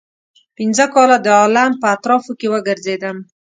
پنځه کاله د عالم په اطرافو کې وګرځېدم.